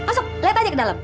masuk lihat aja ke dalam